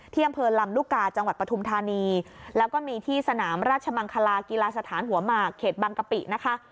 อำเภอลำลูกกาจังหวัดปฐุมธานีแล้วก็มีที่สนามราชมังคลากีฬาสถานหัวหมากเขตบางกะปินะคะ